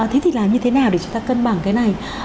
thế thì làm như thế nào để chúng ta cân bằng cái này